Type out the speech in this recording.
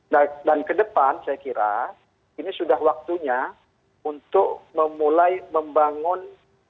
nah dan ke depan saya kira ini sudah waktunya untuk memulai membangun